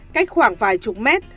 cách khoảng vài chục mét